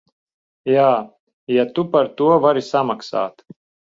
Jā, ja tu par to vari samaksāt.